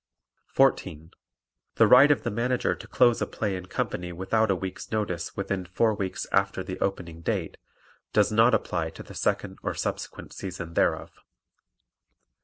14. The right of the Manager to close a play and company without a week's notice within four weeks after the opening date does not apply to the second or subsequent season thereof.